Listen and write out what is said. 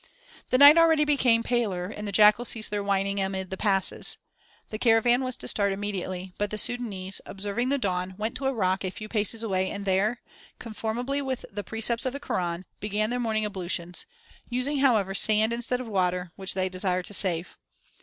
The night already became paler and the jackals ceased their whining amid the passes. The caravan was to start immediately, but the Sudânese, observing the dawn, went to a rock, a few paces away, and there, conformably with the precepts of the Koran, began their morning ablutions, using, however, sand instead of water, which they desired to save.